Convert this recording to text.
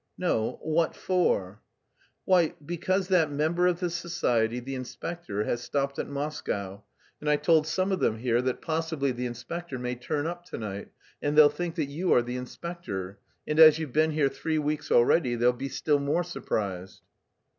"No, what for?" "Why, because that member of the society, the inspector, has stopped at Moscow and I told some of them here that possibly the inspector may turn up to night; and they'll think that you are the inspector. And as you've been here three weeks already, they'll be still more surprised."